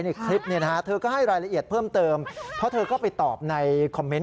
คลิปเนี่ยนะฮะเธอก็ให้รายละเอียดเพิ่มเติมเพราะเธอก็ไปตอบในคอมเมนต์